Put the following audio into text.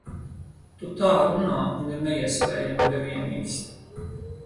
Tu tā runā, un ir neiespējami tevi ienīst.